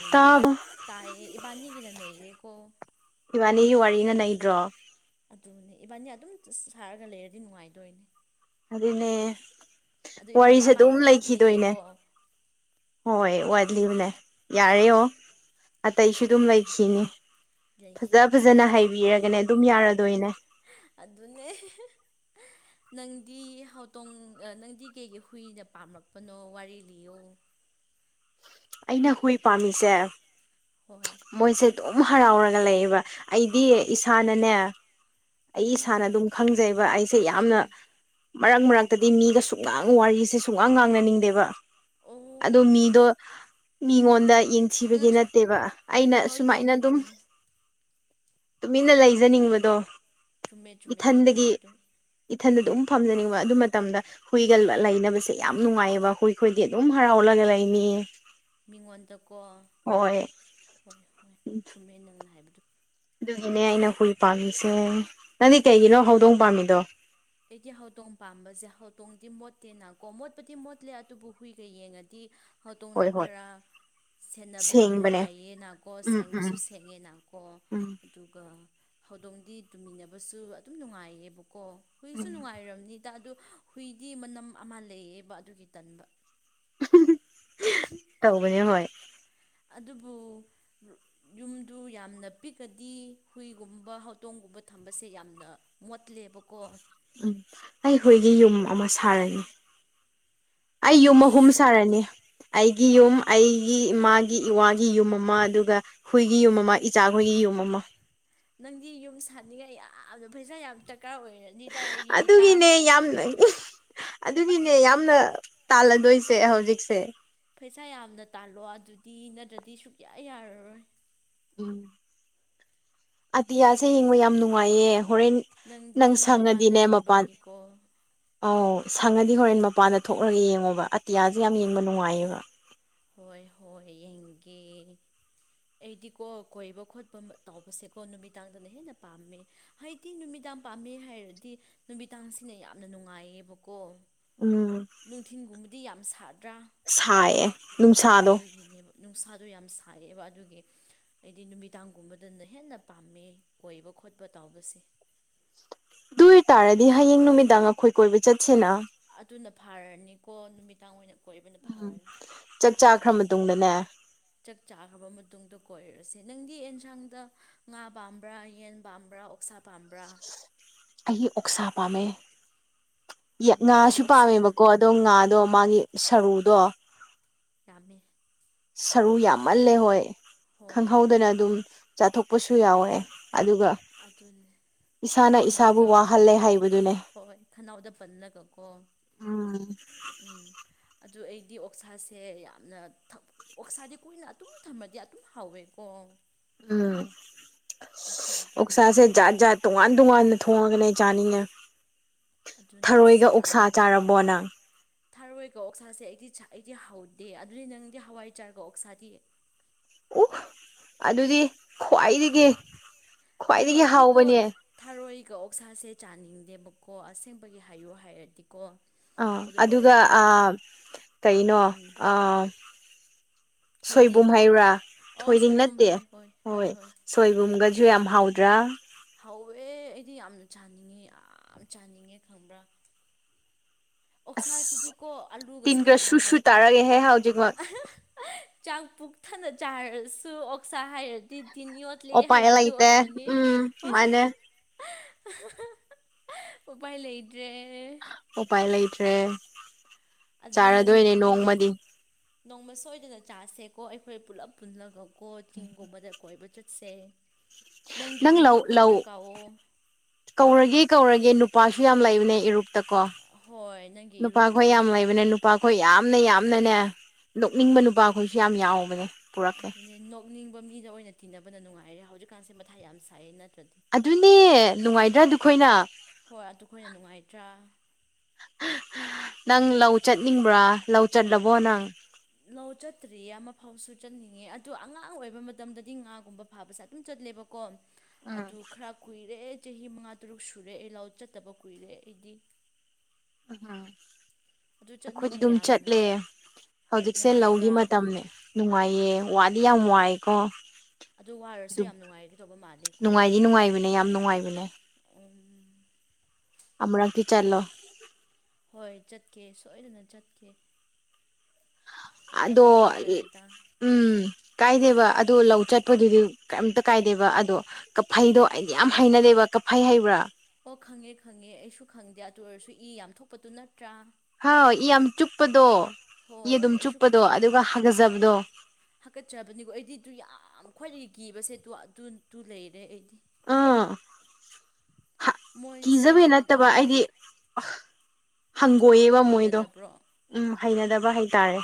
ꯅꯩꯔꯦꯗ ꯇꯥꯕ ꯇꯥꯏꯑ ꯏꯕꯥꯅꯤꯒꯤꯅ ꯅꯩꯔꯦꯀꯣ ꯏꯕꯥꯅꯤꯒꯤ ꯋꯥꯔꯤꯅ ꯅꯩꯗ꯭ꯔꯣ ꯑꯗꯨꯅꯦ ꯏꯕꯥꯅꯤ ꯑꯗꯨꯝ ꯁꯥꯔꯒ ꯂꯩꯔꯗꯤ ꯅꯨꯡꯉꯥꯏꯗꯣꯏꯅꯦ ꯑꯗꯨꯅꯦ ꯑꯗꯣ ꯏꯕꯥꯅꯤ ꯋꯥꯔꯤꯁꯦ ꯑꯗꯨꯝ ꯑꯃꯈꯛ ꯂꯩꯈꯤꯗꯣꯏꯅꯦ ꯋꯥꯠꯂꯤꯌꯦꯀꯣ ꯍꯣꯏ ꯋꯥꯠꯂꯤꯕꯅꯦ ꯌꯥꯔꯣ ꯑꯇꯩꯁꯨ ꯑꯗꯨꯝ ꯌꯥꯒꯅꯤ ꯂꯩꯈꯤꯅꯦ ꯐꯖ ꯂꯩꯈꯤꯅꯤ ꯐꯖꯅ ꯂꯩꯈꯤꯅꯤ ꯍꯥꯏꯕꯤꯔꯒꯅꯦ ꯑꯗꯨꯝ ꯌꯥꯔꯗꯣꯏꯅꯦ [inaudible] ꯑꯗꯨꯅꯦ ꯅꯪꯗꯤ ꯍꯧꯥꯎꯇꯣꯡ ꯅꯪꯗꯤ ꯀꯩꯒꯤꯩ ꯍꯨꯏꯅ ꯄꯥꯝꯂꯛꯄꯅꯣ ꯋꯥꯔꯤ ꯂꯤꯌ [inaudible] ꯑꯩꯅ ꯍꯨꯏ ꯄꯥꯝꯃꯤꯁꯦ ꯍꯣꯏ ꯃꯣꯏꯁꯦ ꯑꯗꯨꯝ ꯍꯔꯥꯎꯔꯒ ꯂꯩꯌꯦꯕ ꯑꯩꯗꯤ ꯏꯁꯥꯅꯅꯦ ꯑꯩ ꯏꯁꯥꯅ ꯍꯥꯏꯔꯛꯑꯣ ꯑꯗꯨꯝ ꯈꯪꯖꯩꯕ ꯑꯩꯁꯦ ꯌꯥꯝꯅ ꯎꯝ ꯃꯔꯛ ꯃꯔꯛꯇꯗꯤ ꯃꯤꯒ ꯁꯨꯡꯛꯂꯥꯡ ꯋꯥꯔꯤꯁꯦ ꯁꯨꯈꯥꯡ ꯉꯥꯡꯅꯅꯤꯡꯗꯦꯕ ꯑꯣ ꯑꯣꯀꯦ ꯃꯤꯗꯣ ꯃꯤꯉꯣꯟꯗ ꯎꯝ ꯌꯦꯡꯊꯕꯒꯤ ꯅꯠꯇꯦꯕ ꯑꯩꯅ ꯍꯣꯏ ꯁꯨꯃꯥꯏꯅ ꯆꯨꯝꯃꯦ ꯑꯗꯨꯝ ꯆꯨꯝꯃꯦ ꯇꯨꯃꯤꯟꯅ ꯂꯩꯖꯅꯤꯡꯕꯗꯣ ꯆꯨꯝꯃꯦ ꯆꯨꯝꯃꯦꯅꯜ ꯍꯥꯏꯕꯗꯨ ꯃꯊꯟꯗ ꯑꯗꯨꯝ ꯐꯝꯖꯅꯤꯡꯕ ꯑꯗꯨ ꯃꯇꯝꯗ ꯍꯨꯏꯒꯕ ꯂꯩꯅꯕꯁꯦ ꯌꯥꯝ ꯅꯨꯡꯉꯥꯏꯌꯦꯕ ꯍꯨꯏꯈꯣꯏꯗꯤ ꯑꯗꯨꯝ ꯍꯔꯥꯎꯔꯒ ꯂꯩꯅꯤꯌꯦ ꯃꯤꯉꯣꯟꯗꯀꯣ ꯍꯣꯏ ꯍꯣꯏ ꯁꯨꯝꯃꯦ ꯅꯪꯅ ꯍꯥꯏꯕꯗꯨ ꯑꯗꯨꯒꯤꯅꯦ ꯑꯩꯅ ꯍꯨꯏ ꯄꯥꯝꯃꯤꯁꯦ ꯅꯪꯗꯤ ꯀꯩꯒꯤꯅꯣ ꯍꯧꯗꯣꯡ ꯄꯥꯝꯃꯤꯗꯣ ꯑꯩꯗꯤ ꯍꯧꯗꯣꯡ ꯄꯥꯝꯕꯁꯦ ꯍꯧꯗꯣꯡꯗꯤ ꯃꯣꯠꯇꯦꯅꯀꯣ ꯃꯣꯠꯄꯗꯤ ꯃꯣꯠꯂꯦ ꯑꯗꯨꯕꯨ ꯍꯨꯏꯒ ꯌꯦꯡꯉꯗꯤ ꯍꯧꯇꯣꯡꯅ ꯍꯣꯏ ꯍꯣꯏ ꯈꯔ ꯁꯦꯟꯅꯕꯗꯨ ꯁꯦꯡꯕꯅꯦ ꯅꯨꯡꯉꯥꯏꯌꯦꯅꯀꯣ ꯎꯝ ꯎꯝ ꯁꯦꯡꯕꯁꯨ ꯁꯦꯡꯉꯦꯅꯀꯣ ꯎꯝ ꯑꯗꯨꯒ ꯍꯧꯗꯣꯡꯗꯤ ꯇꯨꯃꯤꯟꯅꯕꯁꯨ ꯑꯗꯨꯝ ꯅꯨꯡꯉꯥꯏꯌꯦꯕꯀꯣ ꯍꯨꯏꯁꯨ ꯎꯝ ꯅꯨꯡꯉꯥꯏꯔꯝꯅꯤ ꯑꯗꯨ ꯍꯨꯏꯗꯤ ꯃꯅꯝ ꯑꯃ ꯂꯩꯌꯦꯕ ꯑꯗꯨꯒꯤ ꯇꯟꯕ ꯇꯧꯕꯕꯅꯦ ꯍꯣꯏ ꯑꯗꯨꯕꯨ ꯌꯨꯝꯗꯨ ꯌꯥꯝꯅ ꯄꯤꯛꯀꯗꯤ ꯍꯨꯏꯒꯨꯝꯕ ꯍꯧꯇꯣꯡꯒꯨꯝ ꯎꯕ ꯊꯝꯕꯁꯦ ꯌꯥꯝꯅ ꯃꯣꯠꯂꯦꯕꯀꯣ ꯎꯝ ꯑꯩꯈꯣꯏꯒꯤ ꯑꯗꯨ ꯌꯨꯝ ꯑꯃ ꯁꯥꯔꯅꯤ ꯑꯩ ꯌꯨꯝ ꯑꯍꯨꯝ ꯑꯁ ꯁꯥꯔꯅꯤ ꯑꯩꯒꯤ ꯌꯨꯝ ꯑꯩꯒꯤ ꯏꯃꯥꯒꯤ ꯏꯋꯥꯒꯤ ꯌꯨꯝ ꯑꯃ ꯑꯗꯨꯒ ꯍꯨꯣꯏꯒꯤ ꯌꯨꯝ ꯑꯃ ꯏꯆꯥꯈꯣꯏꯒꯤ ꯌꯨꯝ ꯑꯃ ꯅꯪꯗꯤ ꯌꯨꯝ ꯁꯥꯅꯤꯡꯉꯥꯏ ꯌꯥꯝꯅ ꯄꯩꯁꯥ ꯌꯥꯝ ꯇ ꯀꯀꯥ ꯑꯣꯏꯔꯗꯤꯗ ꯑꯩꯒꯤ ꯏꯇꯥ ꯑꯗꯨꯒꯤꯅꯦ ꯌꯥꯝꯅ ꯑꯗꯨꯒꯤꯅꯦ ꯌꯥꯝꯅ ꯇꯥꯜꯂꯗꯣꯏꯁꯦ ꯍꯧꯖꯤꯛꯁꯦ ꯄꯩꯁꯥ ꯌꯥꯝꯅ ꯇꯥꯜꯂꯣ ꯑꯗꯨꯗꯤ ꯅꯠꯇ꯭ꯔꯗꯤ ꯁꯨꯛꯌꯥ ꯌꯥꯔꯔꯣꯏ ꯎꯝ ꯑꯇꯤꯌꯥꯁꯦ ꯅꯪꯒꯤ ꯌꯦꯡꯕ ꯌꯥꯝ ꯅꯨꯡꯉꯥꯏꯌꯦ ꯍꯣꯔꯦꯟ ꯅꯪ ꯅꯪꯗꯤ ꯃꯄꯥꯟꯗ ꯁꯪꯉꯗꯤꯅꯦ ꯃꯄꯥꯟ ꯂꯩꯕꯒꯤꯀꯣ [inaudible] ꯑꯧ ꯁꯪꯉꯗꯤ ꯍꯣꯔꯦꯟ ꯃꯄꯥꯟꯗ ꯊꯣꯛꯂꯒ ꯌꯦꯡꯉꯣꯕ ꯑꯇꯤꯌꯥꯁꯨ ꯌꯥꯝ ꯌꯦꯡꯕ ꯅꯨꯡꯉꯥꯏꯌꯦꯕ ꯍꯣꯏ ꯍꯣꯏ ꯌꯦꯡꯒꯦ ꯑꯩꯗꯤꯀꯣ ꯀꯣꯏꯕ ꯈꯣꯠꯄ ꯇꯧꯕꯁꯦꯀꯣ ꯅꯨꯃꯤꯗꯥꯡꯗꯅ ꯍꯦꯟꯅ ꯄꯥꯝꯃꯦ ꯍꯥꯏꯗꯤ ꯅꯨꯃꯤꯗꯥꯡ ꯌꯥꯝ ꯄꯥꯝꯃꯦ ꯍꯥꯏꯔꯗꯤ ꯅꯨꯃꯤꯗꯥꯡꯁꯤꯅ ꯌꯥꯝꯅ ꯅꯨꯡꯉꯥꯏꯌꯦꯕꯀꯣ ꯎꯝ ꯅꯨꯡꯊꯤꯟꯒꯨꯝꯕꯗꯤ ꯌꯥꯝ ꯁꯥꯗ꯭ꯔꯥ ꯁꯥꯏꯌꯦ ꯅꯨꯡꯁꯥꯗꯣ ꯑꯗꯨꯒꯤꯅꯦꯕ ꯅꯨꯡ ꯃꯁꯥꯗꯣ ꯌꯥꯝ ꯁꯥꯏꯔꯛꯑꯦꯕ ꯑꯗꯨꯒꯤ ꯍꯥꯏꯗꯤ ꯅꯨꯃꯤꯗꯥꯡꯒꯨꯝꯕꯗꯅ ꯍꯦꯟꯅ ꯄꯥꯝꯃꯦ ꯀꯣꯏꯕ ꯈꯣꯠꯄ ꯇꯥꯎꯁꯦ ꯑꯗꯨ ꯑꯣꯏ ꯇꯥꯔꯗꯤ ꯍꯌꯦꯡ ꯅꯨꯃꯤꯗꯥꯡ ꯑꯩꯈꯣꯏ ꯀꯣꯏꯕ ꯆꯠꯁꯦꯅ ꯑꯗꯨꯅ ꯐꯥꯔꯅꯤꯀꯣ ꯅꯨꯃꯤꯗꯥꯡ ꯑꯣꯏꯅ ꯀꯣꯏꯕ ꯎꯝ ꯆꯥꯛ ꯆꯥꯈ꯭ꯔ ꯃꯇꯨꯡꯗꯅꯦ ꯆꯥꯛ ꯆꯥꯈ꯭ꯔꯕ ꯃꯇꯨꯡꯗ ꯀꯣꯏꯔꯁ ꯅꯪꯗꯤ ꯌꯦꯟꯁꯥꯡꯗ ꯉꯥ ꯄꯥꯝꯕ꯭ꯔꯥ ꯌꯦꯟ ꯄꯥꯝꯕ꯭ꯔꯥ ꯑꯣꯛꯁꯥ ꯄꯥꯝꯕ꯭ꯔꯥ ꯑ ꯎꯛꯁꯥꯄ ꯃ ꯌꯥ ꯍꯣꯏ ꯑꯗꯨ ꯉꯥꯁꯨ ꯑꯣꯛꯁꯥ ꯄꯥꯝꯃꯦꯕꯀꯣ ꯑꯗꯣ ꯉꯥꯗꯣ ꯎꯝ ꯃꯥꯒꯤ ꯁꯔꯨꯗꯣ ꯌꯥꯝꯃꯦ ꯁꯔꯨ ꯌꯥꯝꯃꯜꯂꯦ ꯍꯣꯏ ꯍꯣꯏ ꯈꯪꯍꯧꯗꯅ ꯑꯗꯨꯝ ꯆꯥꯊꯣꯛꯄꯁꯨ ꯌꯥꯎꯋꯦ ꯑꯗꯨꯒ ꯑꯗꯨꯅꯦ ꯏꯁꯥꯅ ꯏꯁ ꯈꯅꯥꯎꯗ ꯄꯟꯕ ꯍꯣꯏ ꯍꯣꯏ ꯈꯅꯥꯎꯗ ꯄꯜꯂꯒꯀꯣ ꯎꯝ ꯗꯨ ꯑꯩꯗꯤ ꯑꯣꯛꯁꯥꯁꯦ ꯌꯥꯝꯅ ꯊ ꯑꯣꯛꯁꯥꯗꯤ ꯀꯨꯏꯅ ꯑꯗꯨꯝ ꯊꯝꯃꯗꯤ ꯑꯗꯨꯝ ꯍꯥꯎꯋꯦꯀꯣ ꯎꯝ ꯑꯩꯁꯨ ꯑꯁ ꯑꯗꯨꯅꯤ ꯑꯣꯛꯁꯥꯖꯦ ꯖꯥꯠ ꯖꯥꯠ ꯇꯣꯉꯥꯟ ꯇꯣꯉꯥꯟꯅ ꯊꯣꯡꯉꯒꯅꯦ ꯆꯥꯅꯤꯡꯉꯦ ꯑꯗꯨꯅꯦ ꯊꯔꯣꯏꯒ ꯎꯛꯁꯥ ꯆꯥꯔꯕꯣ ꯅꯪ ꯊꯥꯔꯣꯏꯒ ꯑꯣꯛꯁꯥꯁꯦ ꯑꯩꯗꯤ ꯆꯥ ꯑꯩꯗꯤ ꯍꯧꯗꯦ ꯑꯗꯨꯗꯤ ꯅꯪꯗꯤ ꯍꯋꯥꯏꯆꯥ꯭꯭ꯔꯒ ꯑꯣꯛꯁꯥꯗꯤ ꯎ ꯑꯗꯨꯗꯤ ꯈ꯭ꯋꯥꯏꯗꯒꯤ ꯑꯗꯨꯅꯦ ꯈ꯭ꯋꯥꯏꯗꯒꯤ ꯑꯩꯗꯤ ꯀꯣ ꯍꯥꯎꯕꯅꯦ ꯊꯥꯔꯣꯏꯒ ꯑꯣꯛꯁꯥꯁꯦ ꯆꯥꯅꯤꯡꯗꯦꯕꯀꯣ ꯑꯁꯦꯡꯕꯒꯤ ꯍꯥꯏꯌꯨ ꯍꯥꯏꯔꯗꯤ ꯑꯥ ꯑꯗꯨꯒ ꯑ ꯀꯩꯅꯣ ꯑ ꯊꯣꯏꯗꯤꯡ ꯁꯣꯏꯕꯨꯝ ꯍꯩꯕ꯭ꯔꯥ ꯊꯣꯏꯗꯤꯡ ꯅꯠꯇꯦ ꯍꯣꯏ ꯁꯣꯏꯕꯨꯝꯒ ꯁꯨ ꯌꯥꯝ ꯍꯥꯎꯗ꯭ꯔꯥ ꯍꯧꯋꯦ ꯑꯩꯗꯤ ꯌꯥꯝ ꯆꯥꯅꯤꯡꯉꯦ ꯌꯥꯝ ꯆꯥꯅꯤꯡꯉꯦ ꯈꯪꯕ꯭ꯔꯥ ꯑꯁ ꯑꯣꯛꯁꯥꯁꯤꯗꯤꯀꯣ ꯑꯂꯨꯒꯁꯨ ꯇꯤꯟꯒ ꯁꯨ ꯌꯥꯝꯅ ꯁꯨ ꯍꯥꯎꯇ꯭ꯔꯥ ꯇꯥꯔꯒꯦꯍꯦ ꯍꯧꯖꯤꯛꯃꯛ ꯑꯍ ꯍ [unintelligible] ꯆꯥꯛ ꯄꯨꯛ ꯊꯟꯅ ꯆꯥꯔꯁꯨ ꯑꯣꯛꯁꯥ ꯍꯥꯏꯔꯗꯤ ꯇꯤꯟ ꯌꯣꯠꯂꯦ ꯎꯄꯥꯏ ꯍꯥꯏꯕꯗꯨ ꯂꯩꯇꯦ ꯑꯣꯏꯔꯅꯤ ꯎꯝ ꯃꯥꯅꯦ ꯋꯍꯍ ꯍ ꯍꯍ ꯍ ꯎꯄꯥꯏ ꯂꯩ ꯑꯣꯄꯥꯏ ꯂꯩꯇ꯭ꯔꯦ ꯑꯗꯨ ꯆꯥꯔꯗꯣꯏꯅꯦ ꯅꯪꯗꯤ ꯅꯣꯡꯃꯗꯤ ꯅꯣꯡꯃ ꯁꯣꯏ ꯁꯤꯗ [unintelligible] ꯆꯥꯁꯦꯀꯣ ꯑꯩꯈꯣꯏ ꯄꯨꯜꯂꯞ ꯄꯨꯜꯂꯒꯀꯣ ꯆꯤꯡꯒꯨꯝꯕꯗ ꯀꯣꯏꯕ ꯆꯠꯁꯦ ꯅꯪꯒꯤ ꯅꯪ ꯂꯧ ꯏꯔꯨꯞ ꯂꯧ ꯈꯣꯏꯗ ꯀꯥꯎꯑꯣ ꯀꯧꯔꯒꯦ ꯀꯧꯔꯒꯦ ꯅꯨ ꯅꯨꯄꯥꯁꯨ ꯌꯥꯝ ꯂꯩꯕꯅꯦ ꯏꯔꯨꯛꯇꯀꯣ ꯍꯣꯏ ꯅꯪꯒꯤ ꯏꯔꯨꯞ ꯅꯨꯄꯥꯈꯣꯏ ꯌꯥꯝ ꯅꯨꯄꯥ ꯂꯩꯕꯅꯦ ꯅꯨꯄꯥꯈꯣꯏ ꯌꯥꯝꯅ ꯌꯥꯝꯅꯅꯦ ꯅꯣꯛꯅꯤꯡꯕ ꯅꯨꯄꯥꯈꯣꯏꯁꯨ ꯌꯥꯝ ꯌꯥꯎꯕꯅꯦ ꯄꯨꯔꯛꯀꯦ ꯑꯗꯨꯅꯦ ꯅꯣꯛꯅꯤꯡꯕ ꯃꯤꯗ ꯑꯣꯏꯅ ꯇꯤꯟꯅꯕꯅ ꯅꯨꯡꯉꯥꯏꯔꯦ ꯍꯧꯖꯤꯛꯀꯥꯟꯁꯦ ꯃꯊꯥ ꯌꯥꯝ ꯁꯥꯏꯌꯦ ꯅꯠꯇ꯭ꯔ ꯑꯗꯨꯅꯦ ꯅꯨꯡꯉꯥꯏꯗ꯭ꯔꯥ ꯑꯗꯨꯈꯣꯏꯅ ꯍꯣꯏ ꯑꯗꯨꯈꯣꯏꯅ ꯅꯨꯡꯉꯥꯏꯇ꯭ꯔꯥ ꯍꯍꯥ ꯍ [unintelligible] ꯅꯪ ꯂꯧ ꯆꯠꯅꯤꯡꯕ꯭ꯔꯥ ꯂꯧ ꯆꯠꯂꯕꯣ ꯅꯪ ꯂꯧ ꯆꯠꯇ꯭ꯔꯤꯌꯦ ꯑꯃ ꯐꯥꯎꯁꯨ ꯆꯠꯅꯤꯡꯉꯦ ꯑꯗꯣ ꯑꯉꯥꯡ ꯑꯣꯏꯕ ꯃꯇꯝꯗꯗꯤ ꯉꯥꯒꯨꯝꯕ ꯐꯥꯕꯁꯦ ꯑꯗꯨꯝ ꯆꯠ ꯂꯦꯕꯀꯣ ꯎꯝ ꯑꯗꯨ ꯈꯔ ꯀꯨꯏꯔꯦ ꯆꯍꯤ ꯃꯉꯥ ꯇꯔꯨꯛ ꯁꯨꯔꯦ ꯑꯩ ꯂꯥꯎ ꯆꯠꯇꯕ ꯀꯨꯏꯔꯦ ꯑꯩꯗꯤ ꯍ ꯥ ꯑꯗꯨ ꯑꯩꯈꯣꯏꯗꯤ ꯆꯠꯅꯤꯡꯉꯦ ꯑꯗꯨꯝ ꯌꯥꯝꯅ ꯆꯠꯂꯦ ꯍꯧꯖꯤꯛꯁꯦ ꯂꯧꯒꯤ ꯅꯨꯡꯉꯥꯏꯕ꯭ꯔꯥ ꯃꯇꯝꯅꯦ ꯅꯨꯡꯉꯥꯏꯌꯦ ꯋꯥꯗꯤꯌꯥꯝ ꯋꯥꯏꯀꯣ ꯑꯗꯨ ꯋꯥꯔꯁꯨ ꯑꯗꯨ ꯌꯥꯝ ꯅꯨꯡꯉꯥꯏꯒꯗꯧꯕ ꯃꯥꯜꯂꯤꯀꯣ ꯅꯨꯡꯉꯥꯏꯗꯤ ꯅꯨꯡꯉꯥꯏꯕꯅꯦ ꯌꯥꯝ ꯅꯨꯡꯉꯥꯏꯕꯅꯦ ꯎꯝ ꯑꯃꯨꯔꯛꯇꯤ ꯆꯠꯂꯣ ꯍꯣꯏ ꯆꯠꯀꯦ ꯁꯣꯏꯗꯅ ꯆꯠꯀꯦ ꯑꯗꯣ ꯃꯇꯝ ꯑꯩ ꯂꯥꯛꯀꯅꯤꯗ ꯎꯝ ꯀꯥꯏꯗꯦꯕ ꯑꯗꯣ ꯂꯧ ꯆꯠꯄꯗꯨꯗꯤ ꯀꯩꯝꯇ ꯀꯥꯏꯗꯦꯕ ꯑꯗꯣ ꯀꯐꯩꯗꯣ ꯑꯩꯗꯤ ꯌꯥꯝ ꯍꯩꯅꯗꯦꯕ ꯀꯐꯩ ꯍꯥꯏꯕ꯭ꯔꯥ ꯑꯣ ꯈꯪꯉꯦ ꯈꯪꯉꯦ ꯑꯩꯁꯨ ꯈꯪꯗꯦ ꯑꯗꯨ ꯑꯣꯏꯔꯁꯨ ꯏ ꯌꯥꯝ ꯊꯣꯛꯄꯗꯨ ꯅꯠꯇ꯭ꯔꯥ ꯍꯥꯎ ꯏ ꯌꯥꯝ ꯆꯨꯞꯄꯗꯣ ꯏ ꯍꯣꯏ ꯑꯗꯨꯝ ꯑꯩꯁꯨ ꯆꯨꯞꯄꯗꯣ ꯈꯪꯗꯦ ꯑꯗꯨꯒ ꯍꯥꯒꯖꯕꯗꯣ ꯍꯥꯀꯠꯆꯕꯅꯤꯀꯣ ꯑꯩꯗꯤ ꯑꯗꯨ ꯌꯥꯝ ꯈ꯭ꯋꯥꯏꯗꯒꯤ ꯀꯤꯕꯁꯦ ꯑꯗꯨ ꯑꯗꯨ ꯗꯨ ꯂꯩꯔꯦ ꯑꯩꯗꯤ ꯑ ꯍꯥ ꯃꯣꯏꯁꯦ ꯀꯤꯖꯕ ꯌꯥꯝꯅ ꯅꯠꯇꯕ ꯀꯤ ꯑꯩꯗꯤ ꯑꯥ ꯏ ꯊꯣꯛꯄꯗꯣ ꯍꯪꯒꯣꯏꯌꯦꯕ ꯃꯣꯏꯗꯣ ꯍꯩꯅꯗꯕ꯭ꯔꯣ ꯎꯝ ꯍꯩꯅꯗꯕ ꯍꯩꯇꯥꯔꯦ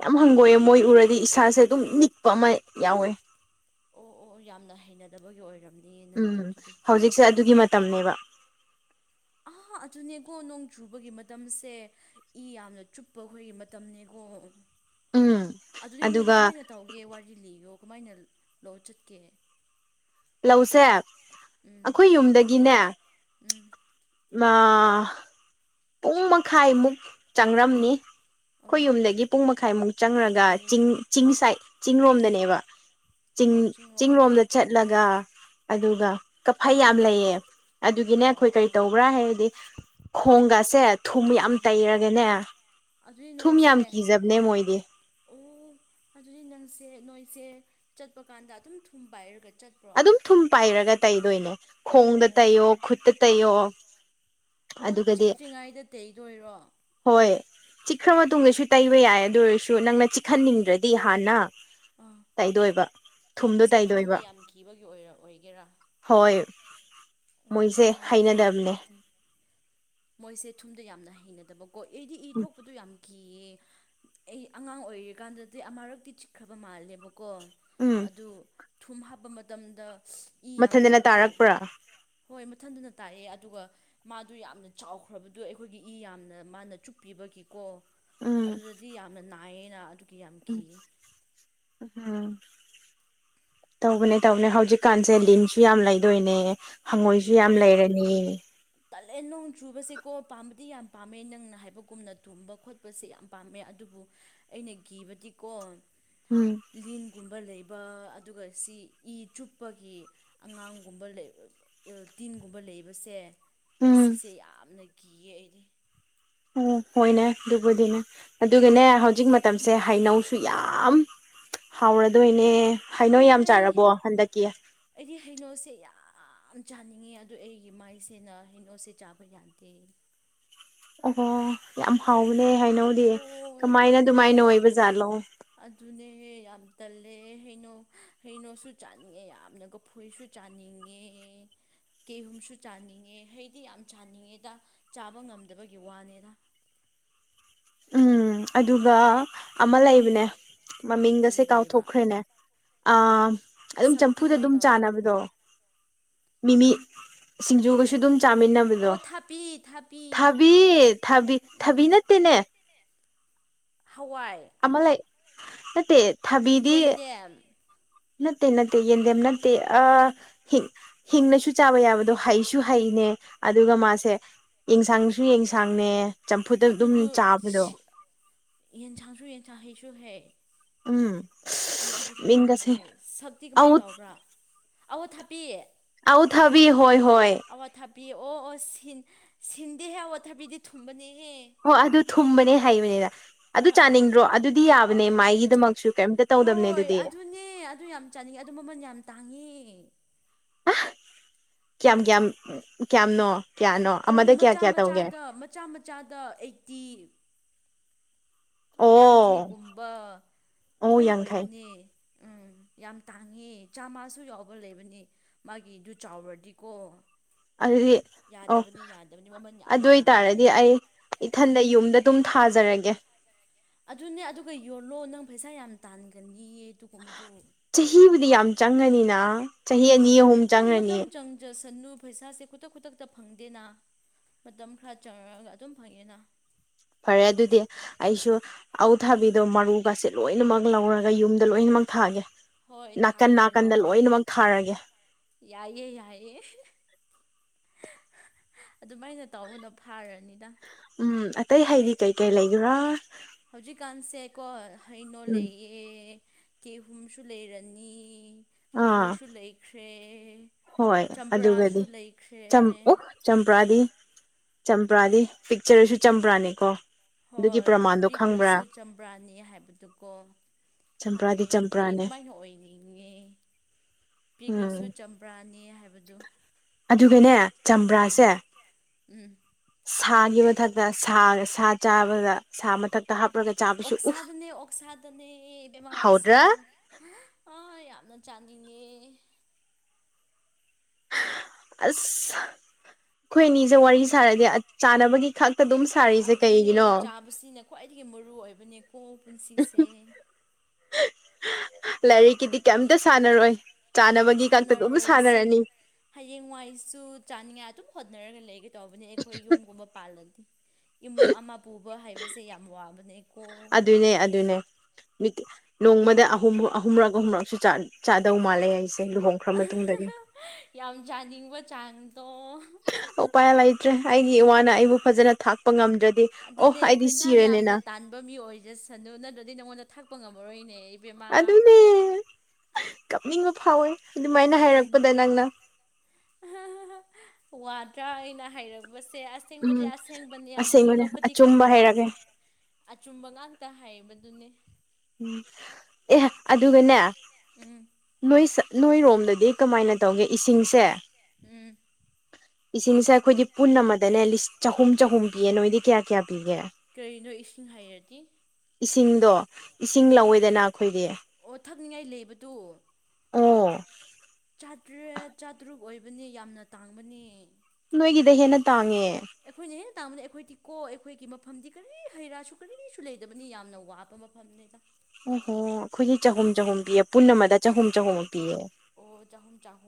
ꯌꯥꯝ ꯍꯪꯒꯣꯏꯌꯦ ꯃꯣꯏ ꯎꯔꯗꯤ ꯏꯁꯥꯁꯦ ꯑꯗꯨꯝ ꯅꯤꯛꯄ ꯑꯃ ꯌꯥꯎꯋꯦ ꯑꯣ ꯑꯣ ꯌꯥꯝꯅ ꯍꯩꯅꯗꯕꯒꯤ ꯑꯣꯏꯔꯝꯅꯤ ꯅꯪꯗꯤ ꯎꯝ ꯑꯗꯨꯗꯤ ꯍꯧꯖꯤꯛꯁꯦ ꯑꯗꯨꯒꯤ ꯃꯇꯝꯅꯦꯕ [inaudible] ꯑꯥ ꯑꯗꯨꯅꯦꯀꯣ ꯅꯣꯡ ꯆꯨꯕꯒꯤ ꯃꯇꯝꯁꯦ ꯏ ꯌꯥꯝꯅ ꯆꯨꯞꯄ ꯑꯩꯈꯣꯏꯒꯤ ꯃꯇꯝꯅꯤꯀꯣ ꯎꯝ ꯑꯗꯨꯗꯤ ꯅꯣꯏꯗꯤ ꯑꯗꯨꯒ ꯀꯃꯥꯏꯅ ꯇꯧꯒꯦ ꯋꯥꯔꯤ ꯂꯤꯒꯣ ꯀꯃꯥꯏꯅ ꯂꯥꯛ ꯆꯠꯀꯦ ꯂꯧꯁꯦ ꯎꯝ ꯑꯩꯈꯣꯏ ꯌꯨꯝꯗꯒꯤꯅꯦ ꯎꯝ ꯄꯨꯡ ꯃꯈꯥꯏꯃꯨꯛ ꯆꯪꯔꯝꯅꯤ ꯑꯩꯈꯣꯏ ꯑꯣ ꯌꯨꯝꯗꯒꯤ ꯄꯨꯡ ꯃꯈꯥꯏꯃꯨꯛ ꯆꯪꯉꯒ ꯑꯣ ꯆꯤꯡ ꯆꯤꯡ ꯁꯥꯏꯠ ꯆꯤꯡꯔꯣꯝꯗꯅꯦꯕ ꯆꯤꯡ ꯑꯣ ꯆꯤꯡ ꯆꯤꯡꯔꯣꯝꯗ ꯂꯣꯝꯗ ꯆꯠꯂꯒ ꯑꯗꯨꯒ ꯀꯐꯩ ꯌꯥꯝ ꯂꯩꯌꯦ ꯑꯗꯨꯒꯤꯅꯦ ꯑꯣ ꯑꯩꯈꯣꯏ ꯑꯣ ꯀꯔꯤ ꯑꯥ ꯇꯧꯕ꯭ꯔꯥ ꯍꯥꯏꯔꯗꯤ ꯈꯣꯡꯒ ꯊꯨꯝ ꯌꯥꯝ ꯇꯩꯔꯒꯦꯅꯦ ꯑꯗꯨꯏ ꯅꯣꯏꯁꯦ ꯑꯣ ꯑꯗꯨꯗꯤ ꯅꯪꯁꯦ ꯅꯣꯏ ꯑꯩꯁꯦ ꯆꯠꯄ ꯀꯥꯟꯗ ꯑꯗꯨꯝ ꯊꯨꯝ ꯄꯥꯏ ꯍꯥꯏꯔꯒꯗꯤ ꯑꯗꯨꯝ ꯊꯨꯝ ꯄꯥꯏꯔꯒ ꯇꯩꯗꯣꯏꯅꯦ ꯑꯣ ꯈꯣꯡꯗ ꯇꯩꯌꯣ ꯈꯨꯠꯇ ꯇꯩꯌꯣ ꯑꯣ ꯑꯗꯨꯒꯗꯤ ꯆꯤꯛꯇ꯭ꯔꯤꯉꯩꯗ ꯇꯩꯗꯣꯏꯔꯣ ꯍꯣꯏ ꯆꯤꯛꯈ꯭ꯔ ꯃꯇꯨꯡꯗꯁꯨ ꯇꯩꯕ ꯌꯥꯏ ꯑꯗꯨ ꯑꯣꯏꯔꯁꯨ ꯅꯪꯅ ꯆꯤꯛꯍꯟꯅꯤꯡꯗ꯭ꯔꯗꯤ ꯍꯥꯟꯅ ꯑꯥ ꯇꯩꯗꯣꯏꯕ ꯊꯨꯝꯗꯣ ꯇꯥꯏꯗꯣꯏꯕ ꯑꯣꯏ ꯑꯣꯏꯒꯦꯔꯥ ꯃꯣꯏꯁꯦ ꯑꯣ ꯌꯥꯝ ꯇꯜꯂꯦ ꯍꯩꯅꯗꯕꯅꯦ ꯑꯗꯨꯗꯤ ꯃꯣꯏꯁꯦ ꯊꯨꯝꯗ ꯌꯥꯝꯅ ꯍꯩꯅꯗꯕ ꯀꯣ ꯑꯩꯗꯤ ꯏ ꯊꯣꯛꯄꯗꯨ ꯌꯥꯝ ꯀ ꯑꯩ ꯑꯉꯥꯡ ꯑꯣꯏꯔꯤꯀꯥꯟꯗꯗꯤ ꯑꯃꯥꯔꯛꯇꯤ ꯆꯤꯛꯈ꯭ꯔꯕ ꯃꯥꯜꯂꯦꯕ ꯀꯣ ꯎꯝ ꯑꯗꯨ ꯊꯨꯝ ꯍꯥꯞꯄ ꯃꯇꯝꯗ ꯏ ꯃꯊꯟꯗꯅ ꯇꯥꯔꯛꯄ꯭ꯔꯥ ꯃꯊꯟꯗꯨꯅ ꯇꯥꯛꯑꯦ ꯑꯗꯨꯒ ꯃꯥꯗꯨ ꯌꯥꯝꯅ ꯆꯥꯎꯈ꯭ꯔꯕꯗ ꯑꯩꯈꯣꯏꯒꯤ ꯏ ꯌꯥꯝꯅ ꯃꯥꯅ ꯆꯨꯞꯄꯤꯕꯒꯤ ꯀꯣ ꯎꯝ ꯑꯗꯨꯗꯗꯤ ꯌꯥꯝꯅ ꯅꯥꯏꯌꯦꯅ ꯑꯗꯨꯒꯤ ꯌꯥꯝ ꯀꯤꯌꯦ ꯎꯝ ꯇꯧꯕꯅꯦ ꯇꯧꯕꯅꯦ ꯍꯧꯖꯤꯛꯀꯥꯟꯁꯦ ꯂꯤꯟꯁꯨ ꯌꯥꯝ ꯂꯩꯗꯣꯏꯅꯦ ꯍꯪꯉꯣꯏꯁꯨ ꯌꯥꯝ ꯑꯣ ꯂꯩꯔꯅꯤ ꯆꯨꯕꯕꯁꯤꯀꯣ ꯄꯥꯝꯕꯗꯤ ꯌꯥꯝ ꯄꯥꯝꯃꯦ ꯅꯪꯅ ꯍꯥꯏꯕꯒꯨꯝꯅ ꯇꯨꯝꯕ ꯈꯣꯠꯄꯁꯦ ꯌꯥꯝ ꯄꯥꯝꯃꯦ ꯑꯗꯨꯕꯨ ꯑꯩꯅ ꯀꯤꯕꯗꯤꯀꯣ ꯎꯝ ꯂꯤꯟꯒꯨꯝꯕ ꯂꯩꯕ ꯕ ꯑꯗꯨꯒ ꯁꯤ ꯏ ꯆꯨꯞꯄꯒꯤ ꯑꯉꯥꯡꯒꯨꯝꯕ ꯂꯩ ꯑꯦꯜꯇꯤꯟꯒꯨꯝꯕ ꯂꯩꯕꯁꯦ ꯎꯝ ꯑꯁꯤꯁꯦ ꯌꯥꯝꯅ ꯀꯤꯌꯦ ꯑꯩꯗꯤ ꯑꯣ ꯍꯣꯏꯅꯦ ꯑꯗꯨꯕꯨꯗꯤꯅꯦ ꯑꯗꯨꯒꯅꯦ ꯍꯧꯖꯤꯛ ꯃꯇꯝꯁꯦ ꯑꯥ ꯍꯩꯅꯧꯁꯨ ꯌꯥꯝ ꯌꯥꯝ ꯍꯥꯎꯔꯗꯣꯏꯅꯦ ꯍꯥꯏꯅꯣ ꯑꯩ ꯌꯥꯝ ꯍꯩ ꯆꯥꯔꯕꯣ ꯍꯟꯗꯛꯀꯤ ꯑꯩꯗꯤ ꯍꯩꯅꯧꯁꯦ ꯌꯥꯝ ꯆꯥꯅꯤꯡꯉꯤ ꯑꯗꯨ ꯑꯩꯒꯤ ꯃꯥꯏꯁꯦꯅ ꯍꯩꯅꯣꯁꯦ ꯆꯥꯕ ꯌꯥꯗꯦ ꯑꯣꯍꯣ ꯈꯥꯎ ꯍꯥꯏꯅꯧꯗꯤ ꯍꯣꯏ ꯀꯃꯥꯏꯅ ꯑꯗꯨꯃꯥꯏꯅ ꯑꯣꯏꯕ ꯖꯥꯠꯂꯣ ꯑꯗꯨꯅꯦ ꯌꯥꯝ ꯇꯜꯂꯦ ꯍꯩꯅꯣ ꯍꯩꯅꯣꯁꯨ ꯆꯥꯅꯤꯡꯉꯦ ꯌꯥꯝꯅꯒ ꯐꯨꯏꯁꯨ ꯆꯥꯅꯤꯡꯉꯦ ꯀꯦꯍꯨꯝꯁꯨ ꯆꯥꯅꯤꯡꯉꯦ ꯍꯩꯗꯤ ꯌꯥꯝ ꯆꯥꯅꯤꯡꯉꯦꯗ ꯆꯥꯕ ꯉꯝꯗꯕꯒꯤ ꯋꯥꯅꯤꯗ [unintelligible] ꯎꯝ ꯑꯗꯨꯒ ꯑꯃ ꯂꯩꯕꯅꯦ ꯃꯃꯤꯡꯒꯁꯦ ꯀꯔꯤ ꯂꯩꯕ꯭ꯔꯥ ꯀꯥꯎꯊꯣꯛꯈ꯭ꯔꯦꯅꯦ ꯑ ꯑꯗꯨꯝ ꯁꯛꯇꯤ ꯆꯝꯐꯨꯗ ꯀꯃꯥꯏꯅ ꯑꯗꯨꯝ ꯇꯧꯕ꯭ꯔꯥ ꯆꯥꯅꯕꯗꯣ ꯃꯤꯃꯤ ꯁꯤꯡꯖꯨꯒꯁꯨ ꯑꯗꯨꯝ ꯆꯥꯃꯤꯟꯅꯕꯗꯣ ꯑꯣ ꯊꯥꯄꯤ ꯊꯥꯄꯤ ꯊꯕꯤ ꯊꯕꯤ ꯎꯝ ꯊꯕꯤ ꯅꯠꯇꯦꯅꯦ ꯍꯋꯥꯏ ꯃꯠꯇꯦ ꯌꯦꯇ ꯅꯠꯇꯦ ꯅꯠꯇꯦ ꯌꯦꯟꯗꯦꯝ ꯅꯠꯇꯦ ꯑ ꯍꯤꯡ ꯍꯤꯡꯅꯁꯨ ꯆꯥꯕ ꯌꯥꯕꯗꯣ ꯍꯥꯏꯩꯁꯨ ꯍꯩ ꯅꯦ ꯑꯗꯨꯒ ꯃꯥꯁꯦ ꯌꯦꯟꯁꯥꯡꯁꯨ ꯌꯦꯟꯁꯥꯡꯅꯦ ꯆꯝꯐꯨꯠꯇ ꯑꯗꯨꯝ ꯑꯗꯨꯗꯣ ꯆꯥꯕꯗꯣ ꯌꯦꯟꯁꯥꯡꯁꯨ ꯌꯦꯟꯁꯥꯡ ꯍꯩꯁꯨ ꯍꯩ ꯎꯝ ꯑꯩ ꯑꯗꯨꯗꯤ ꯃꯤꯡꯒꯁꯦ ꯈꯪꯗ꯭ꯔꯦ ꯁꯛꯇꯤ ꯀꯃꯥꯏꯅ ꯑꯧ ꯇꯕ꯭ꯔꯥ ꯑꯋ ꯊꯥꯄꯤꯌꯦ ꯑ ꯊꯕꯤ ꯍꯣꯏ ꯍꯣꯏ ꯊꯕꯤ ꯑꯣ ꯑꯣ ꯁꯤꯟ ꯁꯤꯟꯗꯤ ꯍꯦꯛ ꯋꯥ ꯊꯥꯕꯤꯗꯤ ꯊꯨꯝꯕꯅꯤ ꯍꯣ ꯑꯗꯨ ꯊꯨꯝꯕꯅꯦ ꯍꯩꯕꯅꯤꯅ ꯑꯗꯨ ꯑꯥ ꯑꯥ ꯆꯥꯅꯤꯡꯗ꯭ꯔꯣ ꯑꯗꯨꯗꯤ ꯑꯣ ꯌꯥꯕꯅꯦ ꯃꯥꯏꯒꯤꯗꯃꯛꯁꯨ ꯀꯩꯝꯇ ꯇꯧꯗꯕꯅꯦ ꯍꯣꯏ ꯑꯗꯨꯗꯤ ꯑꯗꯨꯅꯦ ꯑꯗꯨ ꯌꯥꯝ ꯑꯗꯨ ꯃꯃꯜ ꯌꯥꯝ ꯇꯥꯡꯉꯤ ꯀꯌꯥꯝ ꯀꯌꯥꯝ ꯀꯌꯥꯝꯅꯣ ꯀꯌꯥꯅꯣ ꯑꯣ ꯑꯃꯗ ꯀꯌꯥ ꯃꯆꯥ ꯀꯌꯥ ꯇꯧꯒꯦ ꯃꯆꯥꯗ ꯃꯆꯥ ꯃꯆꯥꯗ ꯑꯩꯠꯇꯤ ꯑꯣ ꯌꯥꯡꯈꯩꯒꯨꯝꯕ ꯑꯣ ꯑꯗꯨꯃꯥꯏꯅ ꯌꯥꯡꯈꯩ ꯑꯣꯏꯕꯅꯤ ꯎꯝ ꯌꯥꯝ ꯇꯥꯡꯉꯦ ꯆꯥꯃꯁꯨ ꯌꯥꯎꯕ ꯂꯩꯕꯅꯤ ꯃꯥꯒꯤꯗꯨ ꯆꯥꯎꯔꯗꯤꯀꯣ ꯑꯗꯨꯗꯤ ꯑꯣ ꯌꯥꯗꯕꯅꯤ ꯌꯥꯗꯕꯅꯤ ꯃꯃꯜ ꯌꯥꯝꯅ ꯑꯗꯨ ꯇꯥꯡꯕꯅꯤ ꯑꯣꯏꯇꯥꯔꯗꯤ ꯑꯩ ꯏꯊꯟꯗ ꯌꯨꯝꯗ ꯑꯗꯨꯝ ꯊꯥꯖꯔꯒꯦ ꯑꯗꯨꯅꯦ ꯑꯗꯨꯒ ꯌꯣꯜꯂꯣ ꯅꯪ ꯄꯩꯁꯥ ꯌꯥꯝ ꯇꯥꯟꯒꯅꯤꯌꯦ ꯑꯗꯨꯒ ꯃꯗꯨ ꯆꯍꯤꯕꯨꯗꯤ ꯌꯥꯝ ꯆꯪꯉꯅꯤꯅ ꯆꯍꯤ ꯑꯅꯤ ꯑꯍꯨꯝ ꯆꯪꯉꯅꯤ ꯁꯟꯨ ꯄꯩꯁꯥꯁꯦ ꯈꯨꯗꯛ ꯈꯨꯗꯛꯇ ꯐꯪꯗꯦꯅ ꯃꯇꯝ ꯈꯔ ꯆꯪꯉꯛꯒ ꯑꯗꯨꯝ ꯐꯪꯉꯤꯅ ꯐꯔꯦ ꯑꯗꯨꯗꯤ ꯑꯩꯁꯨ ꯑꯎꯊꯥꯕꯤꯗꯣ ꯃꯔꯨꯒꯁꯦ ꯂꯣꯏꯅꯃꯛ ꯂꯧꯔꯒ ꯌꯨꯝꯗ ꯂꯣꯏꯅꯃꯛ ꯊꯥꯒꯦ ꯍꯣꯏ ꯊꯥ ꯅꯥꯀꯟ ꯍꯜꯂꯣ ꯅꯥꯀꯟꯗ ꯂꯣꯏꯅꯃꯛ ꯊꯥꯔꯒꯦ ꯌꯥꯏꯌꯦ ꯌꯥꯏꯌꯦ ꯑꯗꯨꯃꯥꯏꯅ ꯇꯧꯕꯅ ꯐꯥꯔꯅꯤ ꯎꯝ ꯑꯇꯩ ꯍꯥꯏꯗꯤ ꯀꯩꯀꯩ ꯂꯩꯒ꯭ꯔꯥ ꯍꯧꯖꯤꯛꯀꯥꯟꯁꯦꯀꯣ ꯍꯩꯅꯣ ꯎꯝ ꯂꯩꯌꯦ ꯀꯦꯍꯨꯝꯁꯨ ꯂꯩꯔꯅꯤ ꯑꯥ ꯀꯐꯣꯏꯁꯨ ꯂꯩꯈ꯭ꯔꯦ ꯍꯣꯏ ꯑꯗꯨꯒꯗꯤ ꯆꯝꯄ꯭ꯔꯥꯁꯨ ꯂꯩꯈ꯭ꯔꯦ ꯆꯝꯄ꯭ꯔꯥꯗꯤ ꯆꯝꯄ꯭ꯔꯥꯗꯤ ꯄꯤꯛꯆꯔꯁꯨ ꯆꯝꯄ꯭ꯔꯥꯅꯤꯀꯣ ꯍꯣꯏ ꯄꯤꯈ꯭ꯔꯁꯨ ꯆꯝꯄ꯭ꯔꯥꯅꯤ ꯍꯥꯏꯕꯗꯨꯀꯣ ꯆꯝꯄ꯭ꯔꯥꯗꯤ ꯈꯪꯉꯦ ꯑꯩ ꯆꯝꯄ꯭ꯔꯥꯅꯦ ꯑꯗꯨꯃꯥꯏꯅ ꯑꯣꯏꯅꯤꯡꯉꯦ ꯎꯝ ꯄꯤꯈ꯭ꯔꯁꯨ ꯆꯝꯄ꯭ꯔꯥꯅꯤ ꯍꯥꯏꯕꯗꯨ ꯑꯗꯨꯒꯅꯦ ꯎꯝ ꯆꯝꯄ꯭ꯔꯥꯁꯦ ꯎꯝ ꯁꯥꯒꯤ ꯃꯊꯛꯇ ꯁꯥ ꯁꯥ ꯆꯥꯕꯗ ꯁꯥ ꯃꯊꯛꯇ ꯍꯥꯄ ꯑꯣꯛꯁꯥꯗꯅꯦ ꯑꯣꯛꯁꯥꯗꯅꯦ ꯏꯕꯦꯝꯃ ꯍꯥꯎꯗ꯭ꯔꯥ ꯑꯣꯛꯁꯥꯗ ꯑ ꯌꯥꯝ ꯌꯥꯝꯅ ꯆꯥꯅꯤꯡꯉꯦ ꯑꯁ ꯑꯩꯈꯣꯏ ꯑꯅꯤꯁꯦ ꯋꯥꯔꯤ ꯁꯥꯅꯔꯗꯤ ꯆꯥꯟꯅꯕꯒꯤ ꯈꯛ ꯑꯗꯨꯅꯦ ꯆꯥꯕꯁꯤꯅ ꯈ꯭ꯋꯥꯏꯗꯒꯤ ꯃꯔꯨ ꯑꯣꯏꯕꯅꯦꯀꯣ ꯄꯨꯟꯁꯤꯁꯦ ꯂꯥꯏꯔꯤꯛꯀꯤꯗꯤ ꯀꯩꯝꯇ ꯁꯥꯟꯅꯔꯣꯏ ꯆꯥꯅꯕꯒꯤ ꯈꯛꯇ ꯑꯗꯨꯝ ꯁꯥꯟꯅꯔꯣꯏꯁꯦ ꯁꯥꯟꯅꯔꯅꯤ ꯍꯌꯦꯡꯋꯥꯏꯁꯨ ꯆꯥꯅꯤꯡꯉꯥꯏ ꯑꯗꯨꯝ ꯍꯣꯠꯅꯔꯒ ꯂꯩꯒ ꯇꯧꯕꯅꯦ ꯑꯩꯈꯣꯏ ꯌꯨꯝꯒꯨꯝꯕ ꯄꯥꯜꯂꯗꯤ ꯏꯃꯨꯡ ꯑꯃ ꯄꯨꯕ ꯍꯥꯏꯕꯁꯦ ꯌꯥꯝ ꯋꯥꯕꯅꯦ ꯑꯗꯨꯅꯦ ꯑꯗꯨꯅꯦ ꯅꯣꯡꯃꯗ ꯑꯍꯨꯝꯛ ꯑꯍꯨꯝꯔꯛ ꯑꯍꯨꯝꯨꯔꯛꯁꯨ ꯆꯥꯗꯧ ꯃꯥꯜꯂꯦ ꯍꯥꯏꯁꯦ ꯂꯨꯍꯣꯡꯈ꯭ꯔ ꯃꯇꯨꯡꯗꯗꯤ ꯌꯥꯝ ꯆꯅꯤꯡꯕ ꯆꯥꯡ ꯎꯄꯥꯏ ꯂꯩꯇ꯭ꯔꯦ ꯑꯩꯒꯤ ꯏ ꯋꯥꯅ ꯑꯩꯕꯨ ꯐꯖꯅ ꯊꯥꯛꯄ ꯉꯝꯗ꯭ꯔꯗꯤ ꯑꯣ ꯑꯗꯨꯅꯦ ꯑꯩꯗꯤ ꯄꯩꯁꯥ ꯁꯤꯔꯅꯤꯅ ꯌꯥꯝꯅ ꯇꯥꯟꯕ ꯃꯤ ꯑꯣꯏꯖꯁꯅꯨ ꯅ ꯑꯗꯨꯗꯤ ꯅꯪꯉꯣꯟꯗ ꯊꯥꯛꯄ ꯉꯝꯃꯔꯣꯏꯅꯦ ꯏꯕꯦꯝꯃ ꯑꯗꯨꯅꯦ ꯀꯞꯅꯤꯡꯕ ꯐꯥꯎꯋꯦ ꯑꯗꯨꯃꯥꯏꯅ ꯑꯗꯨꯅꯦ ꯍꯥꯏꯔꯛꯄꯗ ꯅꯪꯅ ꯋꯥꯗ꯭ꯔꯥ ꯑꯩꯅ ꯍꯥꯏꯔꯄ ꯃꯁꯦ ꯑꯁꯦꯡꯕꯗꯤ ꯎꯝ ꯑꯁꯦꯡꯕꯅꯦ ꯑꯗꯨꯕꯨ ꯑꯁꯦꯡꯕꯅꯦ ꯀꯞꯄꯗꯤ ꯑꯆꯨꯝꯕ ꯍꯥꯏꯔꯒꯦ ꯀꯞꯅꯤꯡꯕꯅꯦ ꯑꯆꯨꯝꯕ ꯉꯥꯛꯇ ꯍꯥꯏꯕꯗꯨꯅꯦ ꯎꯝ ꯑꯦ ꯑꯗꯨꯒꯅꯦ ꯎꯝ ꯅꯣꯏ ꯅꯣꯏꯔꯣꯝꯗꯗꯤ ꯀꯃꯥꯏꯅ ꯇꯧꯒꯦ ꯏꯁꯤꯡꯁꯦ ꯎꯝ ꯏꯁꯤꯡꯁꯦ ꯑꯩꯈꯣꯏꯗꯤ ꯄꯨꯟ ꯑꯃꯗꯅꯦ ꯂꯤꯁ ꯆꯍꯨꯝ ꯆꯍꯨꯝ ꯄꯤꯌꯦ ꯅꯣꯏꯗꯤ ꯀꯌꯥ ꯀꯌꯥ ꯄꯤꯒꯦ ꯀꯔꯤꯅꯣ ꯏꯁꯤꯡ ꯍꯩꯔꯗꯤ ꯏꯁꯤꯡꯗꯣ ꯏꯁꯤꯡ ꯂꯧꯋꯦꯗꯅ ꯑꯩꯈꯣꯏꯗꯤ ꯑꯣ ꯊꯛꯅꯤꯡꯉꯥꯏ ꯂꯩꯕꯗꯨ ꯑꯣ ꯆꯥꯇ꯭ꯔꯦꯠ ꯆꯥꯇ꯭ꯔꯨꯛ ꯑꯣꯏꯕꯅꯤ ꯌꯥꯝꯅ ꯇꯥꯡꯕꯅꯦ ꯅꯣꯏꯒꯤꯗ ꯍꯦꯟꯅ ꯇꯥꯡꯉꯦ ꯑꯩꯈꯣꯏꯅꯤ ꯇꯥꯕꯅꯦ ꯑꯩꯈꯣꯏꯗꯤ ꯀꯣ ꯑꯩꯈꯣꯏꯒꯤ ꯃꯐꯝꯗꯤ ꯀꯔꯤ ꯍꯩ ꯔꯥꯁꯨ ꯀꯔꯤꯁꯨ ꯂꯩꯗꯕꯅꯤ ꯌꯥꯝꯅ ꯋꯥꯕ ꯃꯐꯝꯅꯤꯗ ꯑꯣꯍꯣ ꯑꯩꯈꯣꯏꯒꯤ ꯆꯍꯨꯝ ꯆꯍꯨꯝ ꯄꯤꯌꯦ ꯄꯨꯟꯅ ꯑꯃꯗ ꯆꯍꯨꯝ ꯆꯍꯨꯝꯃꯨ ꯄꯤꯌꯦ ꯑꯣ ꯆꯍꯨꯝ ꯆꯍꯨꯝ